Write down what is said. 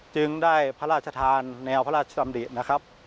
จึงได้พระราชทานแนวพระราชดำรินะครับ